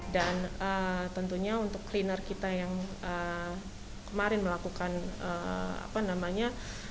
tentunya untuk cleaner kita yang kemarin melakukan apa namanya